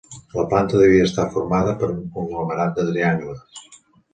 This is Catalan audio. La planta devia estar formada per un conglomerat de triangles.